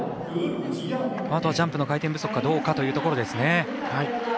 あとはジャンプの回転不足かどうかというところですね。